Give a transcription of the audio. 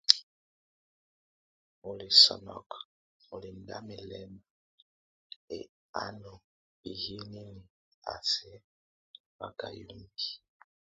O lɛ sɔ́nɔk, o lɛ ndʼ amɛ́ halɛ́n e a nébihienini a sɛk a báka yombí.